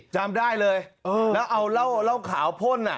จำได้เลยแล้วเอาเหล้าขาวพ่น